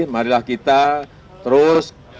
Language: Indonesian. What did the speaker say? marilah kita terus